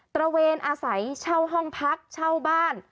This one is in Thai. ระเวนอาศัยเช่าห้องพักเช่าบ้าน